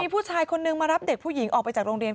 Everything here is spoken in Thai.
ผู้ชายคนนึงมารับเด็กผู้หญิงออกไปจากโรงเรียน